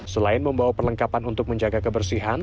selain membawa perlengkapan untuk menjaga kebersihan